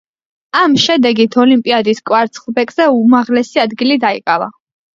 ამ შედეგით ოლიმპიადის კვარცხლბეკზე უმაღლესი ადგილი დაიკავა.